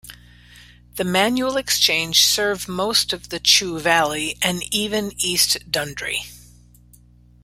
The manual exchange served most of the Chew valley and even East Dundry.